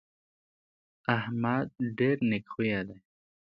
احمد ډېر نېک خویه دی.